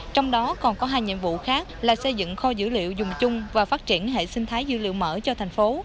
trong đó còn có hai nhiệm vụ khác là xây dựng kho dữ liệu dùng chung và phát triển hệ sinh thái dữ liệu mở cho thành phố